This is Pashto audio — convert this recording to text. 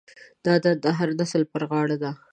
دا دنده د هر نسل پر غاړه ده.